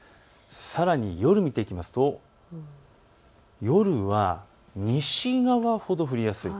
さらに夜、見ていきますと夜は西側ほど降りやすい。